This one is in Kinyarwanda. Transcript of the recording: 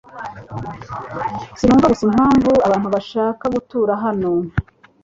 Sinumva gusa impamvu abantu bashaka gutura hano.